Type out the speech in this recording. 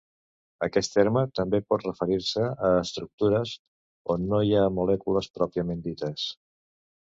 Aquest terme també pot referir-se a estructures on no hi ha molècules pròpiament dites.